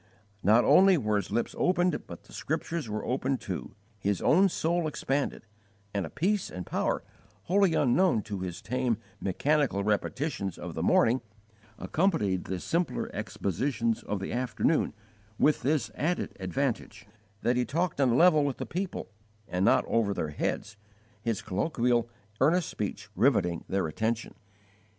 Not only were his lips opened, but the Scriptures were opened too, his own soul expanded, and a peace and power, wholly unknown to his tame, mechanical repetitions of the morning, accompanied the simpler expositions of the afternoon, with this added advantage, that he talked on a level with the people and not over their heads, his colloquial, earnest speech riveting their attention.